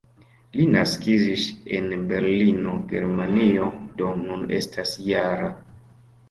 Li naskiĝis en Berlino, Germanio, do nun estas -jara.